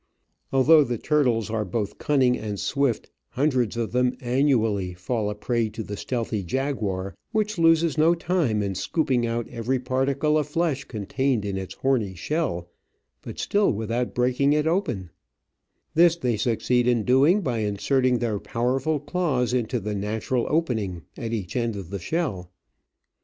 Although the turtles are both cunning and swift, hundreds of them annually fall a prey to the stealthy jaguar, which loses no time in scooping out every particle of flesh contained in its horny sliell, but still without breaking it open ; this they succeed in doing by inserting their powerful claws into the natural opening at each end of the shell.